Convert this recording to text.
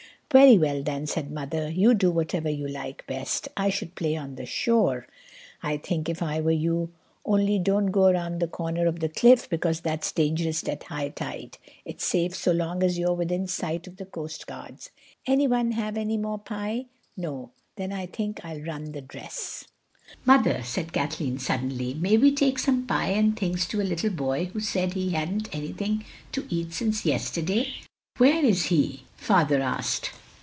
"Very well then," said Mother, "you do whatever you like best. I should play on the shore, I think, if I were you. Only don't go around the corner of the cliff, because that's dangerous at high tide. It's safe so long as you're within sight of the coast guards. Anyone have any more pie? No—then I think I'll run and dress." "Mother," said Kathleen suddenly, "may we take some pie and things to a little boy who said he hadn't had anything to eat since yesterday?" "Where is he?" Father asked.